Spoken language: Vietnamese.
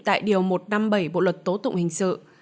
tại điều một trăm năm mươi bảy bộ luật tố tụng hình sự